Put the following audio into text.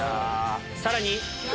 さらに鬼